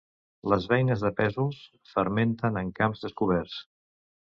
Les beines de pèsols fermenten en camps descoberts.